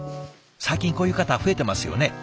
最近こういう方増えてますよね。